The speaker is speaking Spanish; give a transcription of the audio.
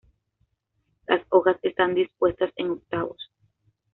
Las hojas están dispuestas en octavos.